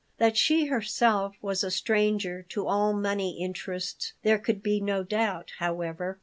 That she herself was a stranger to all money interests there could be no doubt, however.